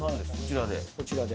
こちらで。